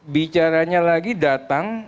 bicaranya lagi datang